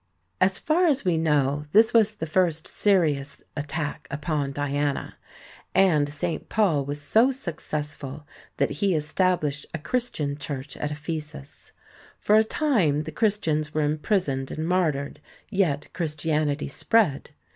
As far as we know this was the first serious attack upon Diana; and St. Paul was so successful that he established a Christian church at Ephesus. For a time the Christians were imprisoned and martyred, yet Christianity spread.